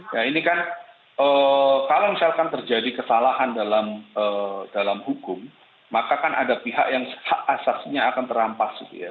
nah ini kan kalau misalkan terjadi kesalahan dalam hukum maka kan ada pihak yang hak asasinya akan terampas gitu ya